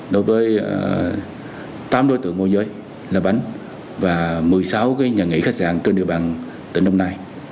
đối với tám đối tượng môi giới là bánh và một mươi sáu nhà nghỉ khách sạn trên địa bàn tỉnh đồng nai